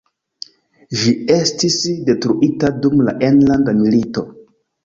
Ĝi estis detruita dum la Enlanda Milito.